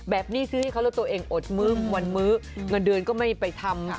ซื้อให้เขาแล้วตัวเองอดมื้อวันมื้อเงินเดือนก็ไม่ไปทำ